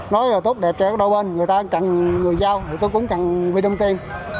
nói là tốt đẹp cho ở đâu bên người ta cần người giao thì tôi cũng cần vi đông tiền